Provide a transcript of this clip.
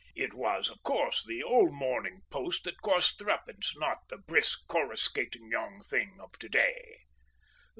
It was, of course, the old Morning Post that cost threepence, not the brisk coruscating young thing of to day.